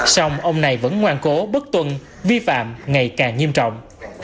xong ông này vẫn ngoan cố bất tuân vi phạm ngày càng nghiêm trọng